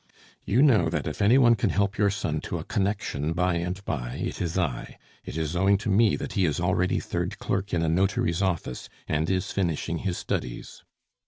"You know that if any one can help your son to a connection by and by, it is I; it is owing to me that he is already third clerk in a notary's office, and is finishing his studies."